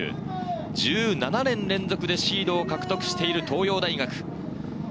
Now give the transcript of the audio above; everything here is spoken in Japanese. １７年連続でシードを獲得している東洋大学。